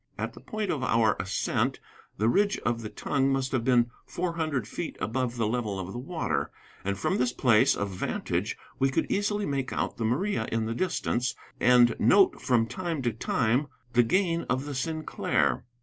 At the point of our ascent the ridge of the tongue must have been four hundred feet above the level of the water, and from this place of vantage we could easily make out the Maria in the distance, and note from time to time the gain of the Sinclair.